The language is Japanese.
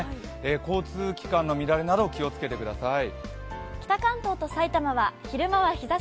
交通機関の乱れなど気をつけてください。